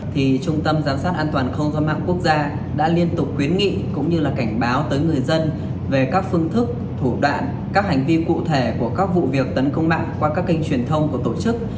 trung tâm giám sát an toàn không gian mạng quốc gia đã liên tục khuyến nghị cũng như là cảnh báo tới người dân về các phương thức thủ đoạn các hành vi cụ thể của các vụ việc tấn công mạng qua các kênh truyền thông của tổ chức